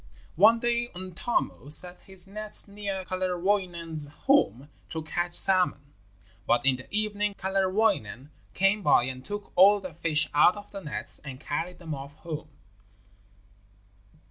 One day Untamo set his nets near Kalerwoinen's home to catch salmon, but in the evening Kalerwoinen came by and took all the fish out of the nets and carried them off home.